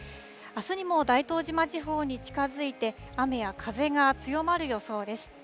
あすにも大東島地方に近づいて、雨や風が強まる予想です。